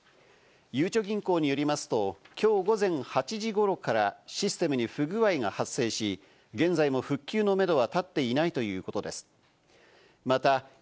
ゆうちょ銀行によりますと、きょう午前８時ごろからシステムに不具合が発生し、現在も復旧のめどは立っていないということです。